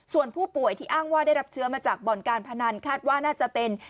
ส่วนผู้ป่วยที่อ้างว่าได้รับเชื้อมาจากบ่อนการพนันคาดว่าน่าจะเป็น